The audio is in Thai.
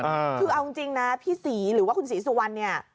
คือเอาจริงจริงนะพี่ศรีหรือว่าคุณศรีสุวรรณเนี่ย